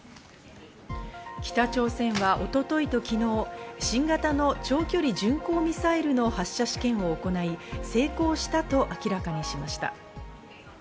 北朝鮮は一昨日と昨日、新型の長距離巡航ミサイルの発射試験を行い成功したと明らかにしました。